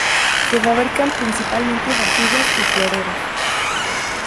Se fabrican principalmente vajillas y floreros.